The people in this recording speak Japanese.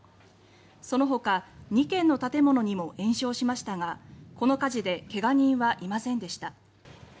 そのほか２軒の建物にも延焼しましたがこの火事でけが人はいませんでした。